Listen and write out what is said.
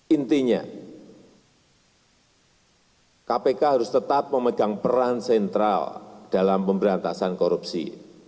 intinya kpk harus tetap memegang peran sentral dalam pemberantasan korupsi